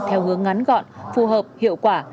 theo hướng ngắn gọn phù hợp hiệu quả